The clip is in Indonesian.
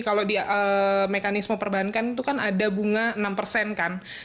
kalau di mekanisme perbankan itu kan ada bunga enam persen kan